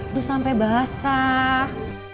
aduh sampai basah